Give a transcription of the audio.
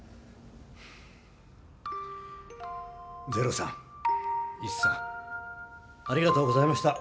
ゼロさんイチさんありがとうございました。